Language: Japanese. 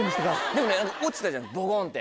でもね落ちたじゃんボゴンって。